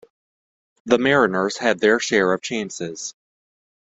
The Mariners had their share of chances.